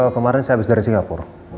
kemarin saya habis dari singapura